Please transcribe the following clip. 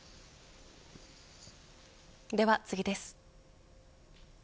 では次です。